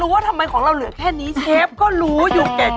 อร่อยจริงออร่อยจริงออร่อยจริงอ